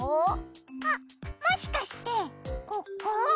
あっもしかしてここ？